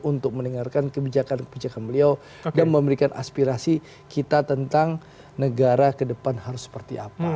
untuk mendengarkan kebijakan kebijakan beliau dan memberikan aspirasi kita tentang negara ke depan harus seperti apa